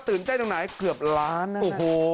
ใกล้ตรงไหนเกือบล้านนะโอ้โห